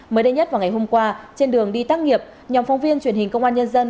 mới đây nhất vào ngày hôm qua trên đường đi tác nghiệp nhóm phóng viên truyền hình công an nhân dân